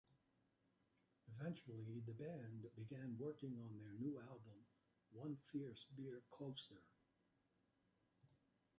Eventually, the band began working on their new album, "One Fierce Beer Coaster".